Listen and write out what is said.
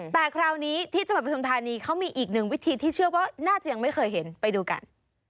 แต่คราวนี้ที่จังหวัดประทุมธานีเขามีอีกหนึ่งวิธีที่เชื่อว่าน่าจะยังไม่เคยเห็นไปดูกัน